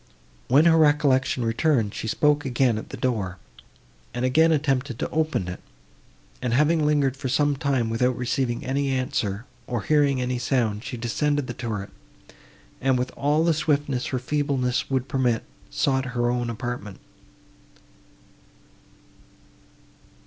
When her recollection returned, she spoke again at the door, and again attempted to open it, and, having lingered for some time, without receiving any answer, or hearing a sound, she descended the turret, and, with all the swiftness her feebleness would permit, sought her own apartment.